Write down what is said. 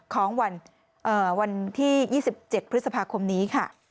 ของวันที่๒๗พฤษภาคมนี้ค่ะ